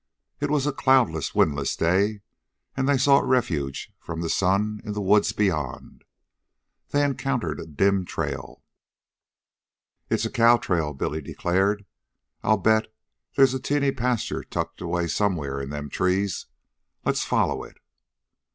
It was a cloudless, windless day, and they sought refuge from the sun in the woods beyond. They encountered a dim trail. "It's a cow trail," Billy declared. "I bet they's a teeny pasture tucked away somewhere in them trees. Let's follow it."